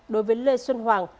đối với lê xuân hoàng